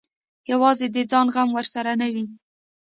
یوازې د ځان غم ورسره نه وي.